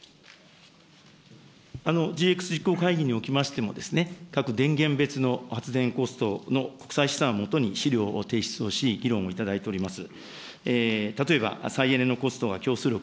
ＧＸ実行会議におきましても、各電源別の発電コストのを基に資料を提出をし、議論をいただいております。